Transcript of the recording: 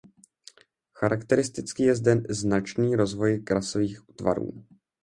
Charakteristický je zde značný rozvoj krasových tvarů.